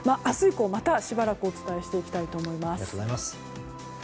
明日以降またしばらくお伝えしていきたいと思います。